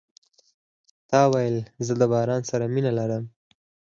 تا ویل زه د باران سره مینه لرم .